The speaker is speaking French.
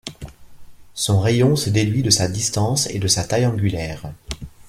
Son rayon se déduit de sa distance et de sa taille angulaire.